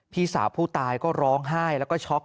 พี่สาวผู้ตายก็ร้องไห้แล้วก็ช็อก